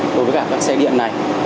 đối với các xe điện này